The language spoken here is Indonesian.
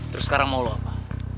terus sekarang mau lo apa